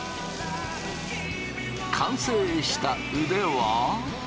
完成した腕は。